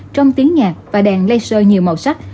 trong tiếng nhạc và đèn laser nhiều màu sắc